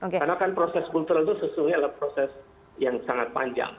karena kan proses kultural itu sesungguhnya adalah proses yang sangat panjang